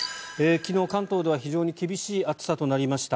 昨日、関東では非常に厳しい暑さになりました。